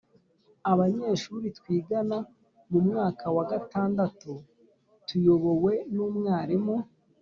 abanyeshuri twigana mu mwaka wa gatandatu tuyobowe n’umwarimu